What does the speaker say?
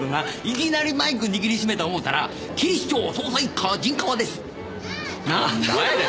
いきなりマイク握り締めた思うたら「警視庁捜査一課陣川です！」なぁ。ホンマやで。